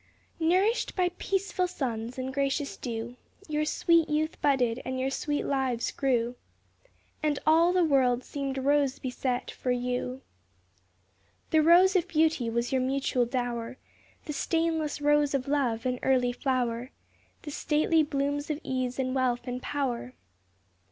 Nourished by peaceful suns and gracious dew, Your sweet youth budded and your sweet lives grew, And all the world seemed rose beset for you. The rose of beauty was your mutual dower, The stainless rose of love, an early flower, The stately blooms of ease and wealth and power.